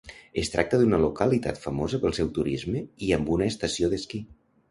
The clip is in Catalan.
Es tracta d'una localitat famosa pel seu turisme i amb una estació d'esquí.